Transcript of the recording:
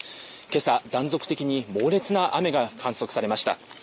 今朝、断続的に猛烈な雨が観測されました。